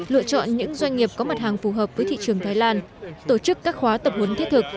lựa chọn những doanh nghiệp có mặt hàng phù hợp với thị trường thái lan tổ chức các khóa tập huấn thiết thực